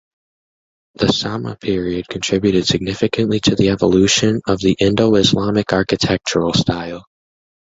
The Samma period contributed significantly to the evolution of the Indo-Islamic architectural style.